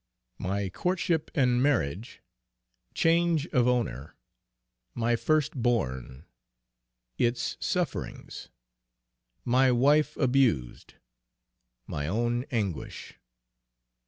_My Courtship and Marriage. Change of owner. My first born. Its sufferings. My wife abused. My own anguish.